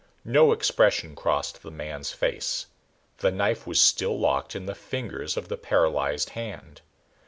No expression crossed the man's face. The knife was still locked in the fingers of the paralyzed hand.